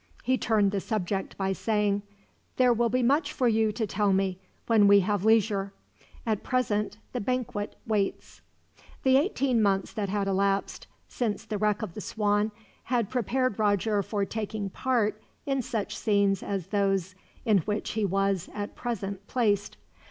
He turned the subject by saying: "There will be much for you to tell me, when we have leisure. At present the banquet waits." The eighteen months that had elapsed, since the wreck of the Swan, had prepared Roger for taking part in such scenes as those in which he was, at present, placed.